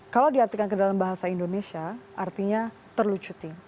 kalau diartikan dalam bahasa indonesia artinya terlucuti